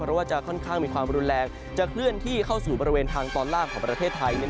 เพราะว่าจะค่อนข้างมีความรุนแรงจะเคลื่อนที่เข้าสู่บริเวณทางตอนล่างของประเทศไทย